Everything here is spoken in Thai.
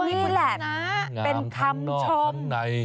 นี่แหละเป็นคำชมใน